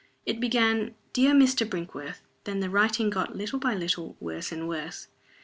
It began: "Dear Mr. Brinkworth." Then the writing got, little by little, worse and worse.